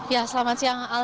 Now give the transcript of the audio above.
ya selamat siang